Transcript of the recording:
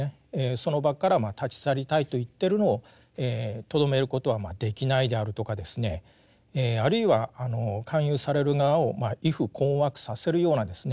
その場から立ち去りたいと言ってるのをとどめることはできないであるとかですねあるいは勧誘される側を畏怖困惑させるようなですね